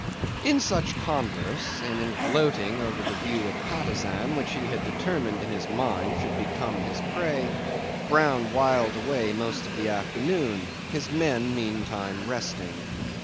'In such converse and in gloating over the view of Patusan, which he had determined in his mind should become his prey, Brown whiled away most of the afternoon, his men, meantime, resting.